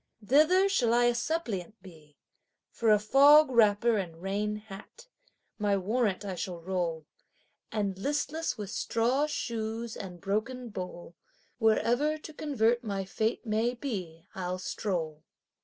Thither shall I a suppliant be for a fog wrapper and rain hat; my warrant I shall roll, And listless with straw shoes and broken bowl, wherever to convert my fate may be, I'll stroll.